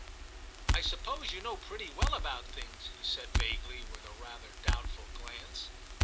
* I suppose you know pretty well about things/ he said vaguely, with a rather doubt ful glance.